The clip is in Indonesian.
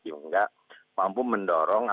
yang mampu mendorong